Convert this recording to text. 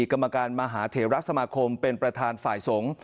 กรรมการมหาเถระสมาคมเป็นประธานฝ่ายสงฆ์